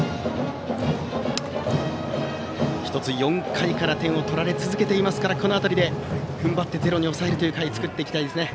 ４回から点を取られ続けていますからこの辺りで踏ん張ってゼロに抑える回を作っていきたいですね。